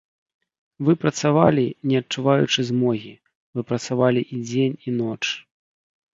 Вы працавалі, не адчуваючы змогі, вы працавалі і дзень і ноч.